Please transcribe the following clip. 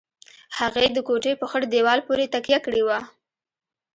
هغې د کوټې په خړ دېوال پورې تکيه کړې وه.